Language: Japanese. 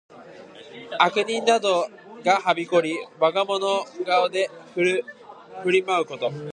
悪人などがはびこり、我がもの顔に振る舞うこと。